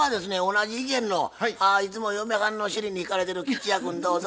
同じ意見のいつも嫁はんの尻に敷かれてる吉弥君どうぞ。